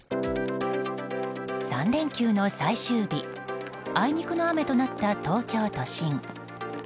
３連休の最終日あいにくの雨となった東京都心。